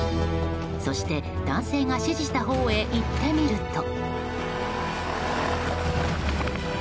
そして男性が指示したほうへ行ってみると。